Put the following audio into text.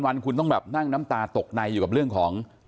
วันคุณต้องแบบนั่งน้ำตาตกในอยู่กับเรื่องของ